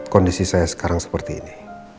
kondisi saya sekarang seperti ini